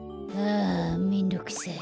あめんどくさい。